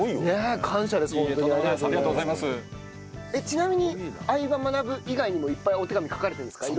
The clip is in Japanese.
ちなみに『相葉マナブ』以外にもいっぱいお手紙書かれてるんですか？